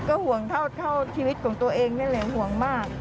ก็ห่วงเท่าชีวิตของตัวเองนั่นแหละห่วงมาก